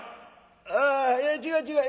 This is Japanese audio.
「ああいや違う違う。